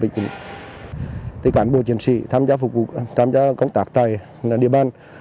các cán bộ chiến sĩ tham gia công tác tại địa bàn